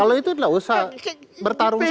kalau itu tidak usah bertarung juga